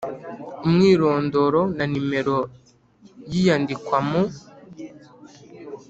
Umwirondoro na nimero y iyandikwa mu